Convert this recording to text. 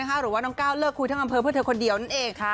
หรือว่าน้องก้าวเลิกคุยทั้งอำเภอเพื่อเธอคนเดียวนั่นเอง